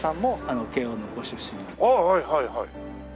ああはいはいはい。